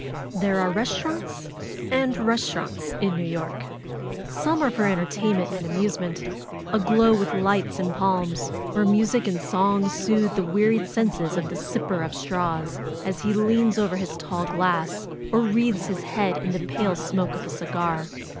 There are restaurants and restaurants in New York. Some are for entertainment and amusement^ aglow FAITH 229 with lights and palms, where music and song soothe the wearied senses of the sipper of straws, as he leans over his tall glass, or wreathes his head in the pale smoke of a cigar.